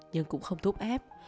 nhưng cũng không thúc ép